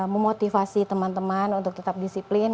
memotivasi teman teman untuk tetap disiplin